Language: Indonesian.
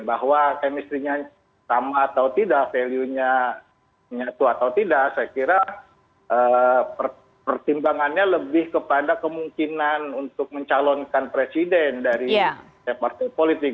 bahwa kemistrinya sama atau tidak value nyatu atau tidak saya kira pertimbangannya lebih kepada kemungkinan untuk mencalonkan presiden dari partai politik